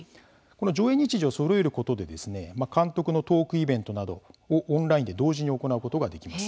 上映日時をそろえることで監督のトークイベントなどをオンラインで同時に行うことができます。